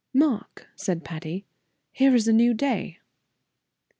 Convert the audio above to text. "Mark," said Patty, "here is a new day."